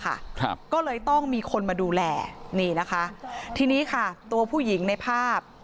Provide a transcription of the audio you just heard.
ครับก็เลยต้องมีคนมาดูแลนี่นะคะทีนี้ค่ะตัวผู้หญิงในภาพ